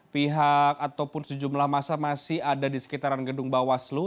pihak ataupun sejumlah masa masih ada di sekitaran gedung bawaslu